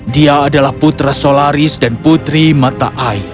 dia adalah putra solaris dan putri mata air